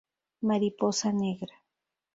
Mariposa negra